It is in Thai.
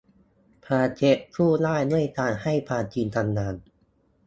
ความเท็จสู้ได้ด้วยการให้ความจริงทำงาน